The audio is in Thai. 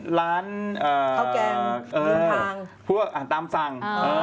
หรือทางอ่าตามสั่ง